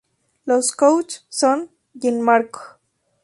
Los coach son: Gianmarco.